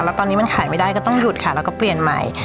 แล้วตอนนี้มันขายไม่ได้ก็ต้องหยุดค่ะแล้วก็เปลี่ยนใหม่